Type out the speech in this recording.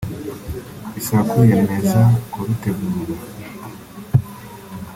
bisaba kwiyemeza kurutegura